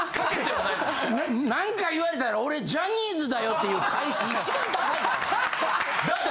何か言われたら「俺ジャニーズだよ」っていう返し一番ダサいからな。